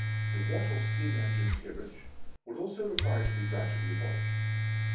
The Watt or Steam Engine peerage would also require to be gradually abolished.